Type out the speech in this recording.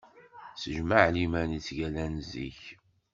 S jmaɛliman i ttgallan zik.